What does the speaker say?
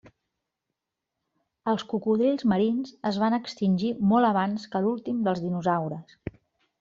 Els cocodrils marins es van extingir molt abans que l'últim dels dinosaures.